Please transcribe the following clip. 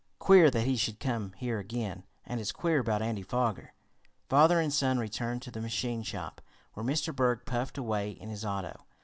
Queer that he should come here again, and it's queer about Andy Foger." Father and son returned to the machine shop, while Mr. Berg puffed away in his auto.